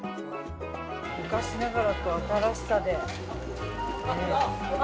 昔ながらと新しさで。